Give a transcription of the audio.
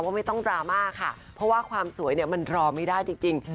ไม่ต้องดราม่าค่ะเพราะว่าความสวยเนี่ยมันรอไม่ได้จริง